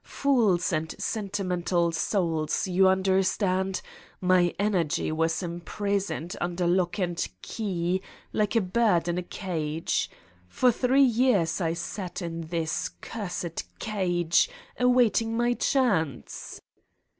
Fools and sentimental souls, you understand? My energy was impris oned under lock and key, like a bird in a cage. For three years I sat in this cursed cage, await ing my chance